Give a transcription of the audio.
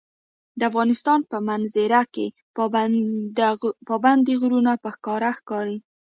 د افغانستان په منظره کې پابندي غرونه په ښکاره ښکاري.